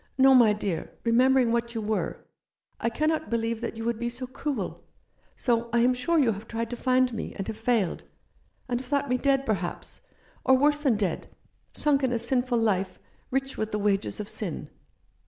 No, my dear, remembering what you were. 17 C Rough Justice. I cannot believe that you would be so cruel ; so I am sure you have tried to find me, and have failed, and have thought me dead, perhaps — or worse than dead, sunk in a sinful life, rich with the wages of sin.